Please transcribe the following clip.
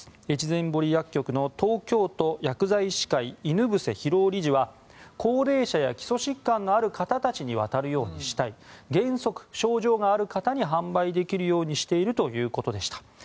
越前堀薬局の東京都薬剤医師会犬伏洋夫理事は高齢者や基礎疾患のある方たちに渡るようにしたい原則、症状がある方に販売できるようにしているということでした。